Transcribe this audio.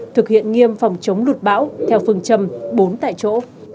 thực hiện nghiêm phòng chống lụt bão theo phương châm bốn tại chỗ